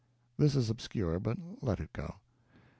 This is obscure, but let it go.